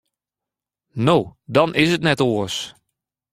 No, dan is it net oars.